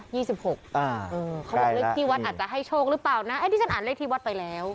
เขาบอกเลขที่วัดอาจจะให้โชคหรือเปล่านะอันนี้ฉันอ่านเลขที่วัดไปแล้ว